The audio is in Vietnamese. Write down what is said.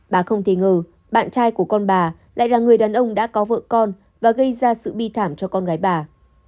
bà không thể ngờ bạn trai của con bà lại là người đàn ông đã có vợ con và gây ra sự bi thảm cho con gái bà